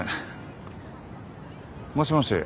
もしもし。